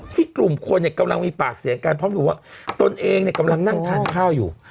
ที่กลุ่มคนกำลังมีปากเสียงกันเพราะว่าตนเองกำลังนั่งทานข้าวอยู่